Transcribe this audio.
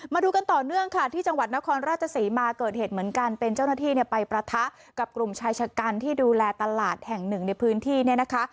มาดูกันต่อเนื่องค่ะที่จังหวัดนครราชศรีมาเกิดเหตุเหมือนกันเป็นเจ้าหน้าที่เนี่ยไปประทะกับกลุ่มชายชะกันที่ดูแลตลาดแห่งหนึ่งในพื้นที่เนี่ยนะคะ